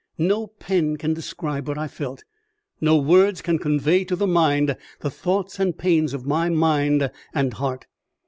No pen can describe what I felt, no words can convey to the mind the thoughts and pains of my mind and heart.